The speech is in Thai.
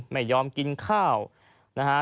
ไม่ยอมกินข้าวนะฮะ